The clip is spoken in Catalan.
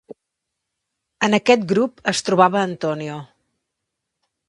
En aquest grup es trobava Antonio.